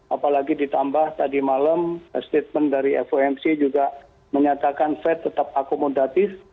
apalagi ditambah tadi malam statement dari fomc juga menyatakan fed tetap akomodatif